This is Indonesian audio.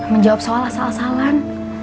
menjawab soalan salah salahan